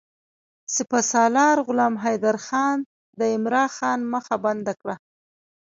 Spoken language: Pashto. سپه سالار غلام حیدرخان د عمرا خان مخه بنده کړه.